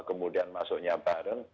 lima ratus kemudian masuknya bareng